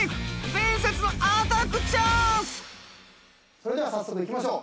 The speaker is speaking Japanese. それでは早速いきましょう。